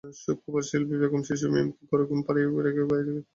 শুক্রবার শিল্পী বেগম শিশু মীমকে ঘরে ঘুম পাড়িয়ে রেখে বাইরে কাজ করছিলেন।